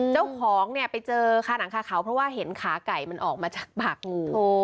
เจ้าของเนี่ยไปเจอคาหนังคาเขาเพราะว่าเห็นขาไก่มันออกมาจากปากงู